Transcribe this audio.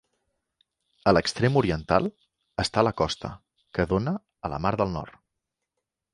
A l'extrem oriental està la costa, que dóna a la mar del Nord.